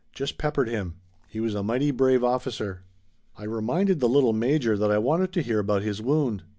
Just peppered him. He was a mighty brave officer." I reminded the little major that I wanted to hear about his wound.